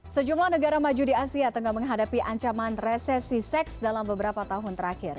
sejumlah negara maju di asia tengah menghadapi ancaman resesi seks dalam beberapa tahun terakhir